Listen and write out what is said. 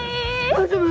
大丈夫？